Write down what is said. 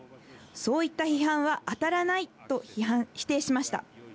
そういった批判は当たらないと否定しました。